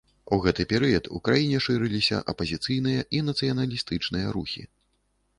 У гэты перыяд у краіне шырыліся апазіцыйныя і нацыяналістычныя рухі.